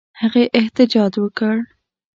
هغې احتجاج وکړ.